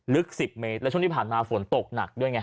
ลึก๑๐เมตรแล้วช่วงที่ผ่านมาฝนตกหนักด้วยไง